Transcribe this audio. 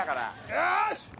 よし！